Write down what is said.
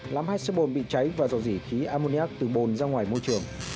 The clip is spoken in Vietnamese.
lắm hai sơ bồn bị cháy và dọ dỉ khí ammoniac từ bồn ra ngoài môi trường